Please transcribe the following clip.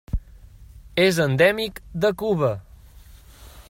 És endèmic de Cuba.